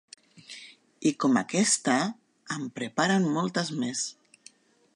I com aquesta en preparen moltes més.